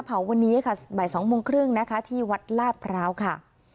เผาวันนี้ค่ะบ่าย๒โมงครึ่งนะคะที่วัดลาดพร้าวค่ะ